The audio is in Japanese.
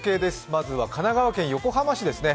まずは神奈川県横浜市ですね。